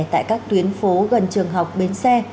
tại các tuyến phố gần trường học bến xe